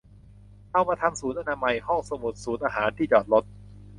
เอามาทำศูนย์อนามัย ห้องสมุด ศูนย์อาหาร ที่จอดรถ